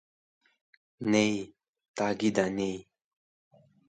Ney, tagida (hargiz) ney.